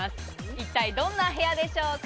一体どんな部屋でしょうか？